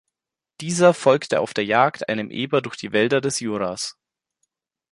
Dieser folgte auf der Jagd einem Eber durch die Wälder des Juras.